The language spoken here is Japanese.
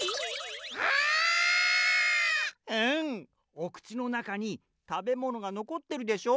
おくちのなかにたべものがのこってるでしょう？